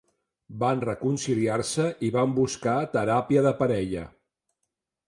Van reconciliar-se i van buscar teràpia de parella.